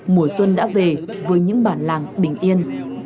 mùa xuân đã về với những bản làng bình yên